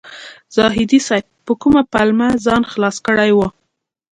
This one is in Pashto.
زاهدي صیب په کومه پلمه ځان خلاص کړی و.